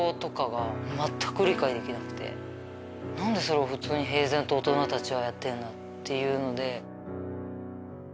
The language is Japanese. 何でそれを普通に平然と大人たちはやってんの？っていうので。